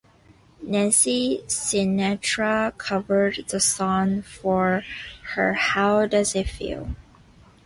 Nancy Sinatra covered the song for her How Does It Feel?